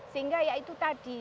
sehingga ya itu tadi